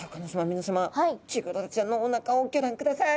皆さまチゴダラちゃんのおなかをギョ覧ください。